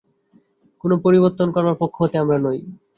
কোন পরিবর্তন করবার পক্ষপাতী আমরা নই।